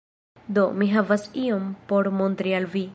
Do, mi havas ion por montri al vi